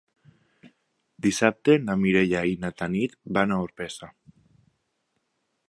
Dissabte na Mireia i na Tanit van a Orpesa.